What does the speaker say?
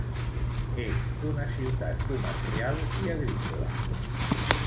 És una ciutat comercial i agrícola.